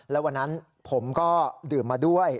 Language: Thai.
แล้ววันนั้นผมก็ดื่มมาด้วย